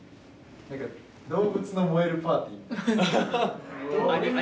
何か動物の燃えるパーティーみたいな。